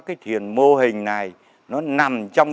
kết xét về kiểm tra